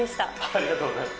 ありがとうございます。